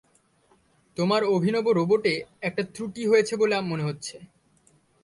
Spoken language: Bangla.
তোমার অভিনব রোবটে একটা ত্রুটি হয়েছে বলে মনে হচ্ছে।